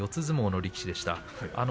相撲の力士でした。